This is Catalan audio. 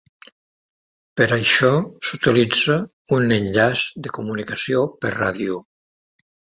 Per a això s'utilitza un enllaç de comunicació per ràdio.